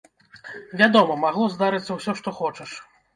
Вядома, магло здарыцца ўсё, што хочаш.